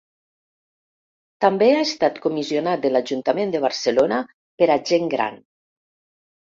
També ha estat comissionat de l'Ajuntament de Barcelona per a gent gran.